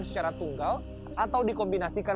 secara tunggal atau dikombinasikan